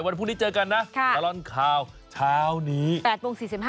วันพรุ่งนี้เจอกันนะครับ